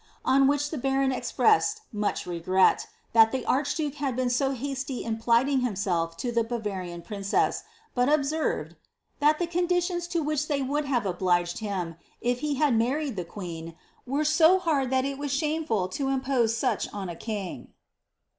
On which the baron expressed much re gret, thai the archduke had been so hasty in plighting himself to the Bavarian princess; but observed, "that ihe conditions lo which thev would have obliged him, if he had married the queen, were so hard that it was shameful to impose such on a king."